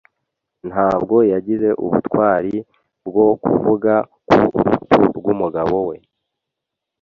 Ntabwo yagize ubutwari bwo kuvuga ku rupfu rw'umugabo we.